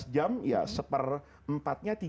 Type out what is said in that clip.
dua belas jam ya seperempatnya